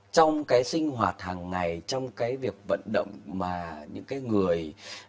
trong cái sinh hoạt hàng ngày trong cái việc vận động mà những cái người